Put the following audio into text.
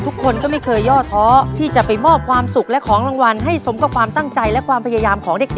ทุกคนก็ไม่เคยย่อท้อที่จะไปมอบความสุขและของรางวัลให้สมกับความตั้งใจและความพยายามของเด็ก